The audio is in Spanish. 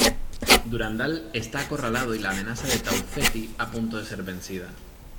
Durandal está acorralado y la amenaza de Tau Ceti a punto de ser vencida.